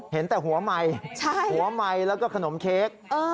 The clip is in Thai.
เห็นแต่หัวใหม่หัวใหม่แล้วก็ขนมเค้ก